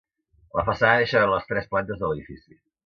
La façana deixa veure les tres plantes de l'edifici.